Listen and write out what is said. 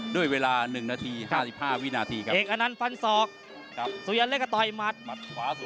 ด้วยเวลา๑นาที๕๕วินาทีครับ